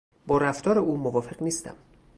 با رفتار او موافق نیستم.